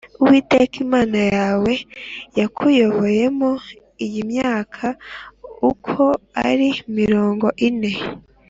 Uwiteka Imana yawe yakuyoboyemo iyi myaka uko ari mirongo ine